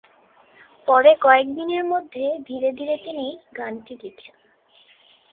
পরে কয়েকদিনের মধ্যে ধীরে ধীরে তিনি গানটি লিখেন।